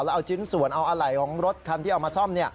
แล้วเอาชิ้นส่วนเอาอะไหล่ของรถคันที่เอามาซ่อม